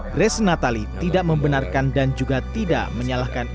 grace natali tidak membenarkan dan juga tidak menyalahkan